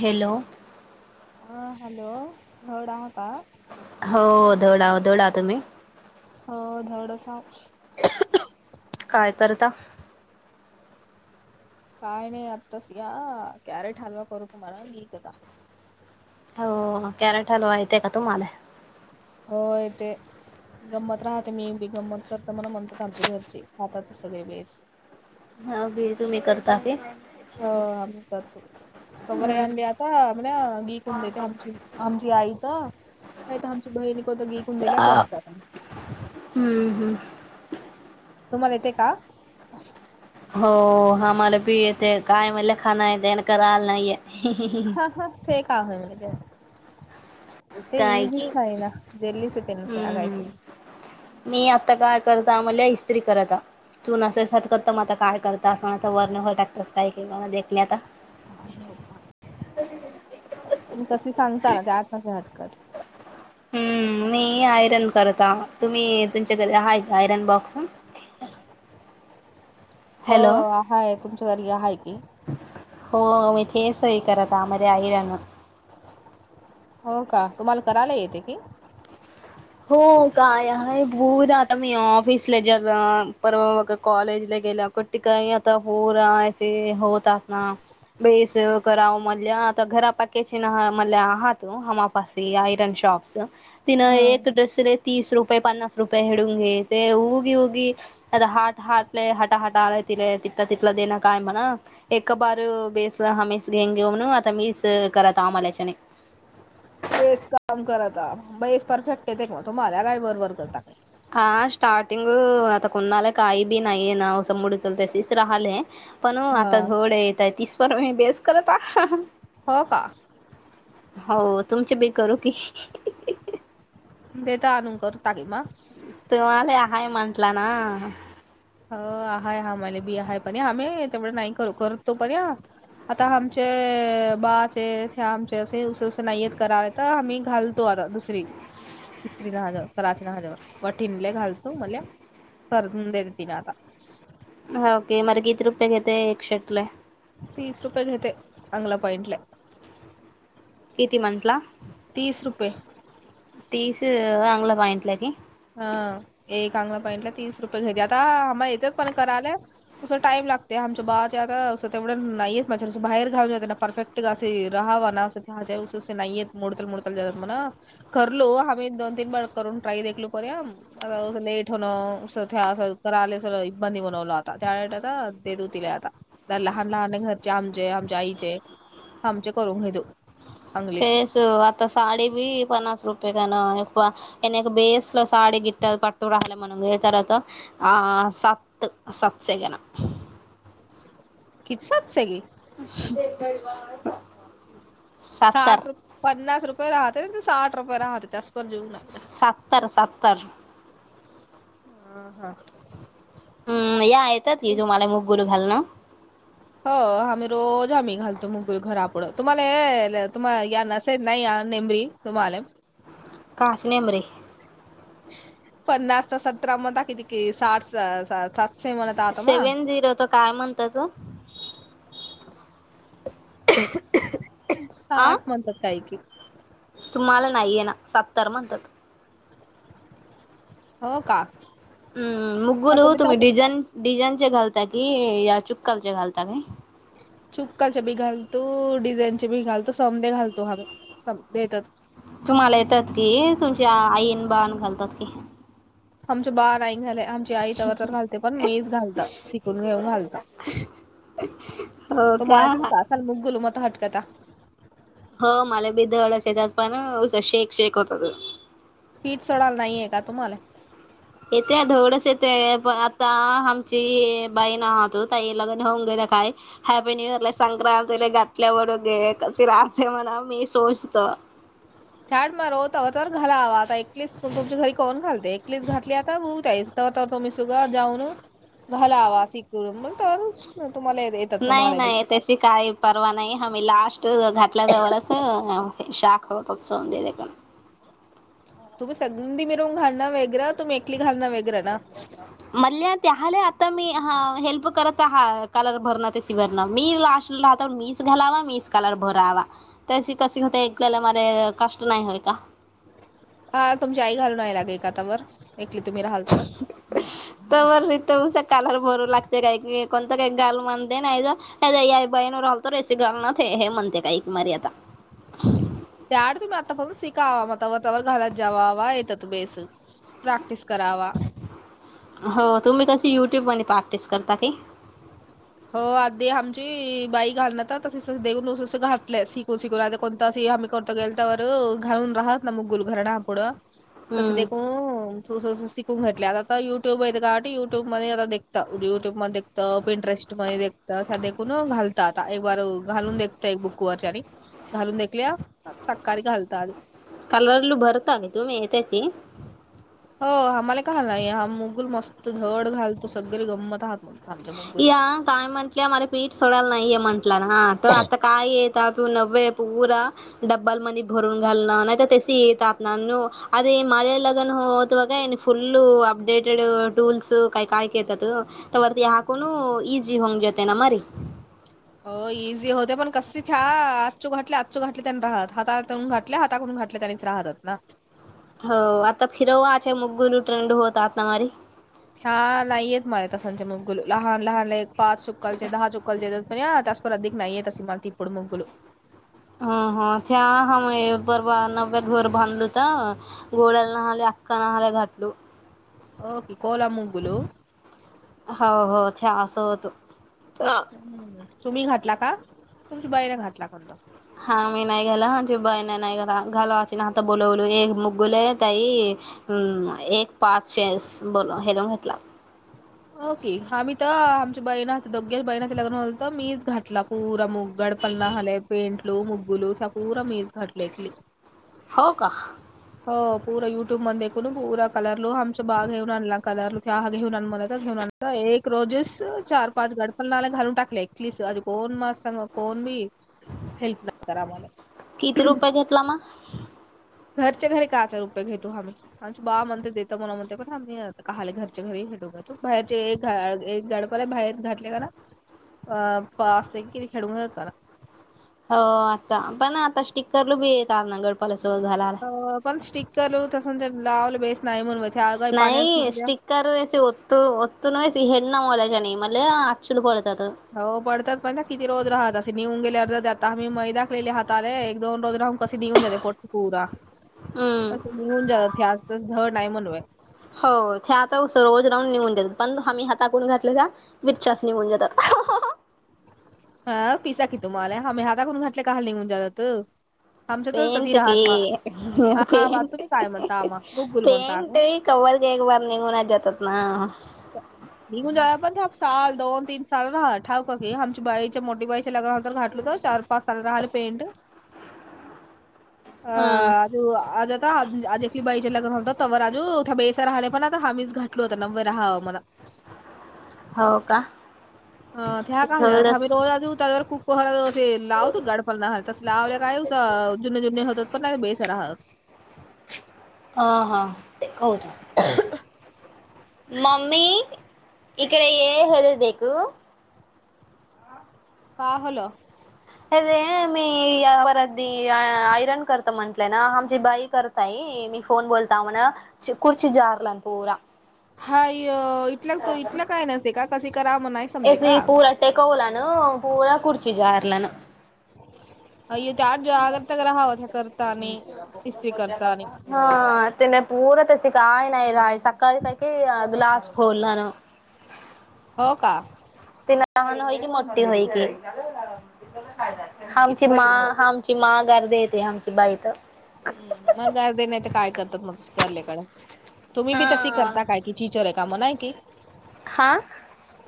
Hello, हह hello, एवढा होता. हो, धवडा धवडा तुम्ही हो, थोडसं काय करता? काय नाही. आताच या कॅरेट हलवा करतो तुम्हाला मी एकदा हो, कॅरेट हलवा येतेय का तुम्हाला? होय, ते गंमत राहते. मी बी गंमत करते मला म्हणतात. आमच्या घरचे राहतात सगळे बेस. हा बी तुम्ही करता की. हो आम्ही करतो. तवर हम्म आम्ही आता मला विकून देते आमची आमची आई तर नाहीत आमची बहिण विकून दिल्या करतात. हम्म हम्म, तुम्हाला येते का? हो, आम्हाला बी येते. काय म्हणल खाण देण करायला नाही येत. हा फ का आहे म्ह का [unintelligible] ते काय की इझीच आहेना. जल्लीच होते ना हम्म आगायच. मी आता का करता म्हणले इस्त्री करत. तू नसेल सटकत मगं आता काय करतासा तर वरन बोलतात तसं. काय केलं. देखले आता, म कसे सांगता ना त्या आतसे हटकत. हम्म, मी आयरन करता. आ तुम्ही तुमच्याकडे आहय का आयरन बॉक्स? हॅलो हो, हाय तुमच्या घरी आहेय की. हो मी तेे सई करत आमध्ये आयरन. हो का तुम्हाला करायला येते की? हो काय आहे. भूर आता मी ऑफिसला जलं परवा कॉलेजला गेलं कुठ काय आता पोराचे होतात नका. बे सेव कराव म्हणलं आता घरा पाकचे ना म आह तूम आयरन शॉप च तिन हा एक ड्रेसले तीस रुपये पन्नास रुपये हेडून घेते उगी उगी आता हाट हाटलेय हटा हटा आलाय तिले तिथं तिथला देणं काय म्हणा. ए बार बेस हमीस घेन घेऊणू आता मीच करत आम्हाला च्याने. बेस काम करत. बेस परफेक्ट येते का तुम्हाला काय बरबर करता काय. हा स्टार्टिंग आता कोणाला काही बी नाहीय ना. उस मुड चल तेसच राहले. पण हो हा आता थोडे येत आहे. तीसपण म बेस करत हा. हो का हो, तुमचे बी करू की. देता आणून करता बी मा तुम्हाला हाय म्हटलं ना. ह हाय. आमला बी आहे पण आमही तेवढं नाही कर करतो पण या. आता आमचे बाचे हे आमचे असे उ असं नाहीयेत करा आ तर आम्ही घालतो आता दुसरी, इस्त्री झाल्यावर. कराची न हेज्यावर वटिणल घालतू मले करून देत. तिनं आता. हा ओके मर कीती रुपये घेते एक शर्ट ला? तीस रुपये घेते अगला पॉइंटला किती म्हंटला? तीस रुपये तीस अगला वाहिंटला क हा एक अगला पईंटला तीस रुपये घ्या आता आ येतेच पण करायला. तं टाईम लागते आमच्या बा ते आता असं तेवढं नाहीयेत माझ्यां बाहेर घालून जाते ना परफेक्ट अस राहावा नाहा नाहीेत मोडतल मुडतल जात म्ह करलो आम्ही दोन तीन वेळ करून ट्राय देखलो पर्या आ लेट होनरा आले स इबंदी बनवल आता त्यावे आ ते दवतीला आता लहान लहान घरचे आमचे आमच्या आईचे आमचे करून घेतो. चांगली फेस आता साडी बी पन्नास रुपये काण एना एक बेस ला साडी गिटात पटू राहिले म्हणून गे तरात आ सत् सत्सेगन किच सत सग दे [inaudible] साठ र पन्नास रुपये राहते ना ते साठ रुपये राहते त्यास पण जेऊ नाही. सत्तर सत्तर. ह हा हम्म या येतात की तुम्हाला मुग गुरू घाल ना. हो आम्ही रोज आम्ही घालतो मुगल घरापुढं तुम्हाला हे तुम्हा या नसाेत नाही या नेंबरी. तुमलेम काासने अमरे पन्नास सतरा मता किती क साठ सात सेवन झिरो तर काय म्हणताच. आ साठ म्हणतात काय की तुम्हाला नाहीये ना सत्तर म्हणतात. हो का? हम्म मुगुून मग तर तुम्ही डिझाईन डिझान चे घालता कि या चुक्काल चे घालता का? चुक्काचे बी घालतो डिझाईन चे बी घालतो समदे घालतो ह समेतात. तुम्हाला येतात कि तुमची आईन बाण घालतात की आमचे बाार नाही झाले. आई तवर तर घालते पण मीच घालत शिकून घेऊन घालत. हो का? सल मुगल मत हटकतता. हो मला बी दड त्याच पण शेक शेक होत. पीठ सोडाला नाहीये का तुम्हाला येते धवडंच येते पण आता आमची बाई नाहतो ताई लगन होऊन गैर काय हॅपी न्यू इयर ला संक्रांतीला घातल्या वड गे क राहते म्हणा मी सोचतो. छाड मार होत तर घाला हवा आता एकलीस तुमच्या घरी कोन घालते एकलीस घातली आता बघताई. तर तुम्ही सुगा जाऊनला आवासून तर तुम्हाला नाही तुम्हाला बी नाही त्याची काही परवा नाही आम्ही लास्ट घातल्याजवळच शाक होतच सोजी देकून. तुम्ही संधी मिरून घालणं वेगरं तुम्ही एकली घालणं वेगरं ना म्हणल्या त्याला आता मी हेल्प करत आ कलर भरण तेसि भरण मी लास्ट राहत मी घालावा मीस कलर भरावा तशी कस होते एकला मरे कष्ट नाही होय का? हा तुमची आई घालूनयलागे का त्यावर एकली तुम्ही राहाल त्यावर तवररत उस कालर भरू लागते काय की कोणत काही गालू म्हणते नाही ज अई बाईण रालतो रेस घालना हे म्हणते काही क मारी आता त्याड तुम्ही आत्ता पणून शिकावा म व त्यावर घालात जावा येतं त बेस प्रॅक्टिस करा वा हो तुम्ही कस युट्यूब मध्ये प्रॅक्टिस करता काी हो आधी आमची बाई घालण तर तस देून तससं घातलं शिकून शिकून आध कोण? तस हमिक कोर्त गेलतवर घालून राहात न मुग गुल घरणापूड. तस देखो स शिकून घटले आता युट्यूब आहेत का युटू मध्ये आताखता युट्यूबमध्ये इंटरेटि देखून घालात आता एक बार घालून देखता एक बुक वरच्या आणि घालून देखल्या सकारी घालत कलरलू भरता म तुम्ही येतयची हो आम्हाला का नाही हा मुगल मस्त धड घालतो सगळे गमतह या काय म्हंटलं मला पीठ सोडायला नाहीय म्हटलं ना ह त आता काय य त्याातू नवे पूरा डब्ल मध्ये भरून घालण नाहीत तसे येतात ना अरे माझ्या लग्न हो होत ब काय फुल् अपडेटेड टूल्स काही काय येतात तर कोण इझी होऊंग जते ना मारी हो इझी होते पण कससेथ्या आजचू घाातले आजचू घातले त्यांनी राहत हातातून घातले हाताकडून घातले त्यानी राहतात ना हो आता फिरववाच्या मुगगुनू ट्रेंड होतात ना मारी हा नाही येत मला तसांचे मग गुलू लहान लहान एक पाच चुक्कालचे दहा चुक्कालचे येतात पण त्या [unintelligible] [unintelligible] गोळ्याला न हले अख्का न आ घाटलू [unintelligible] हो हो छ असं होत. हम्म तुम्ही घातला का तुमच्या बाईने घातला कोणता? हा मी नाही घाला माणझी बाई नाही नाही घला घाला वाच ना आता बोल बोलू एक मुगगुल आहे ताई हम्म एक पाचे बोल हेलो म्हटला. ओके आम्ही तर आमच्या बहीण दोगेश बहिणाच्या लग्न होल तर मीच घातला पुरा मग गडपल न झालेय पेंटलू मुगुलू त्यापूरा मीच घटल एक हो का? हो पूरा युट्यूब मध्ये दे पूरा कलर लू आमचा बाग घेऊ आणला कलरलू च ह घेऊन आण घेऊन एक रोजीच चार पाच गडफल ना घालून टाकलेस अज कोण मस् सांग कोण बी हेल्प नाही करा किती मला [unintelligible] घरच्या घरी कायचार रुपये घेतो आम्ही आमचे बा म्हणते देत मला म्हणते पण आम्ही आताहाले घरच्या घरी हेेटो तो बाहेरचे एक गड बर बाहे घाटले का अ पा असे कि खेडून घ हो आता पण आता स्टिककरल बी येतात ना गडपालासोबत घाला. पण स्टिकर तस लावल बेस [unintelligible] नाही फिरल्या स्टिक ए कार वेसओत्तओत्तून वेस हेणा मोलाज आणि मला अक्षल पळतात हो पडतात पण ना किती रोजहात असे निऊ गेलेर् त्या आम मही मै दाखलेहात रे एक दोन रोज राहू कसे निघन जात पोटपुरा हम्म कसे निघन जात झड नाही म्हणूय हो ते आता रोज राऊंड निेऊन देतात पण आम्ही हाताकडून घातले त्या वर चणी होवून जातात. हा पिसा की तुम्हाला आम्ही हाता करून घटले काल नाही म्हनून जातात. आमच्या तर तशी पेंट राहत मा की हा बा तुम्ही काय म्हणता आम्हा बुगुल म्हणता पेंट का? पेंट कवर घ वर निघून जातात ना निघून जाय पण ते साल दोन तीन साल रा ठावक आमच्या बाईच्या मोठी बाई च्या लग्न घातटलं तर चार पाच साला राहि पेंट अ हम्म [unintelligible] तु आजाता अजय बाईच लगन तवर आजू ठबे इथ राहले पणा हावीत. [unintelligible] दोत नंबर हाव म्हणा. हो का [unintelligible] ह क्या कामल्या थोडस थबे दोला तु तलर तु. पहल ते लावत गडपण नाही तस लावल्या कायुच जुनने जुन होतात पण बेसरा ह. [unintelligible] अ हा खाऊतु. मम्मी इकडे ये हेल देखु. का होलो? हे रे मी यावर अधदी आयरन करत म्हंटलंय ना, आमची बाई करत ताई मी फोन बोलता म्हण चीखुर्ची जारलान पोरा. हाय इटलं तो इथलं काय नसेते का कसे करा म नाही समजे का. ते कोला ना, पूरा खुर्ची जारल न. अय्यो ते आठ जो आगरता ग राहावा त्या करता णि इस्त्री करता णि [unintelligible] हा तेने पूरा तशी काय नाही राय सक्काल करके अ ग्लास फोल्लान. [inaudible] हो का. [unintelligible] तीन हमची मोठ्ठी होय के आमची हम्म, मा हाम. चीमा गर्दी येते आमची बाईत. मग गर्दी नाही तर काय करतात मग सकर्ल्याकड तुम्ही बी तस हा करता काय कि चि चोचोऱ्या काम नाही की? हा.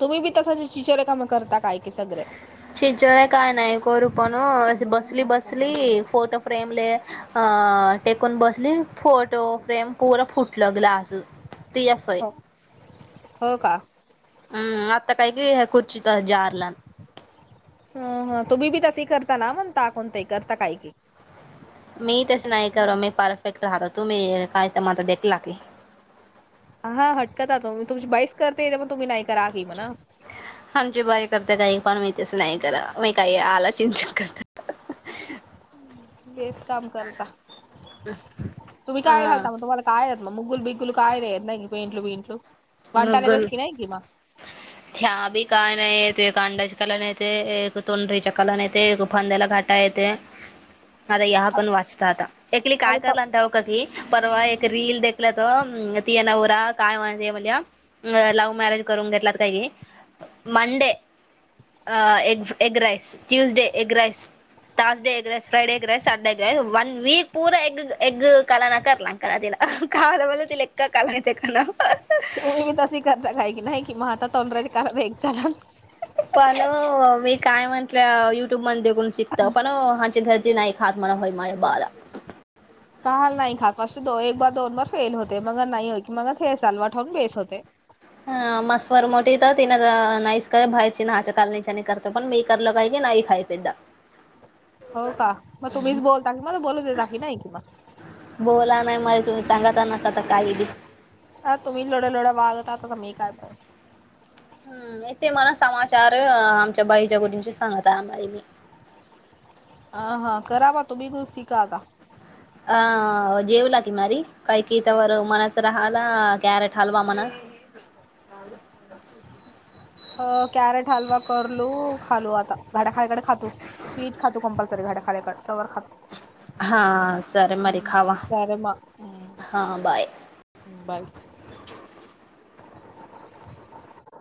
तुम्ही बी तसज चिछोरे काम करता काय की सगरे. छिछोरे काय नाही आहे कोरू पण बसली बसली फोटो फ्रेम ले अ टेकून बसली फोटो फ्रेम पूरा फुटल ग्लास. ती असय. हो हो का. हम्म आता काय कीह कुर्चीत जारलान. अ ह तुम्ही बी तस करता ना, म्हणता [unintelligible] करता काही कि मी तस नाही कर मी परफेक्ट राहत तुम्ही काय तर मझ देला की [unintelligible] हा हटकत त तुमची बाईस करतेे पण तुम्ही नाही करा की म्हण. आमची बाई करते का पण मी तस नाही करा मी काही आला चिंतन करत [unintelligible] हेच काम करता तुम्ही काय हा घालता मग तुम्हाला काय मग मुगल बिगुल काय नाही आहेत नाही पेंटू पिंटलू [unintelligible] मगन [unintelligible] थ्याहाबी का नाही ते अंड्यांच कालान येतेनाही एक तोंनरीच कलन नाहीते एक पंदला घाटाते. [unintelligible] अरे याहा पण वाचता आता एकली काय अरे प करला [unintelligible] कधी परवा एक रील देखला त तिया नवरा काय म्हणत म्हल्या. [unintelligible] अ लव्हमॅरेज करून घेतलात काही मंडे. अ egg egg rice Tuesday egg rice. Thursday egg rice Friday egg rice सडे क वन वीक पूरा एग एग कला ना, करला [unintelligible] क तला का आ ब त ए कालणीकण. [unintelligible] तुम्ही बी तशी करता काय की नाही की महाता तोंडराज वेगता. [unintelligible] पण मी काय म्हंटलं युट्यूब मन देखुन शिकत पण हाचे घरच नाही. [unintelligible] हातमारा होय माझ बाला. [unintelligible] काल नाही खासप दो एक बार दोन बार फेल होते मग नाही हो की मग हे लव ठेवून बेस होते. [unintelligible] अ मस्वरर मोठी तर तिन नाहीसकर बाहेची ना, हच्या कालनीच्या करत. [unintelligible] तर पण मी करलं काही की नाही खाय पेद्दा. [unintelligible] हो का म तुम्हीच बोलता की मला बोलू देता की नाही कि म. बोला नाही मला तुम्ही सांगतानास आता काही बी. [unintelligible] आ तुम्ही लुड लुड वाजता आता काय करू. [unintelligible] हम् असे मला समाचार आमच्या बाईच्या गुडीशी सांगत आहे आमला मी. [unintelligible] ह हा करावा तु्ही को सी कााता अह जेव ला की मारी काही कि तवर मनात हला कॅरेट हलवा मणा काल अ कॅरेट हलवा करलो खालो आता घाड्या खायकडे खातो. स्वीट खातो कंपल्सरी घाड्या खाल्याकडेवर खातो. हा सर मर हम्म खावा हम्म हा बाय. बाय.